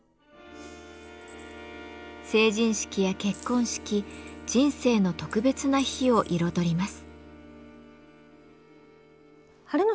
成人式や結婚式人生の特別な日を彩ります。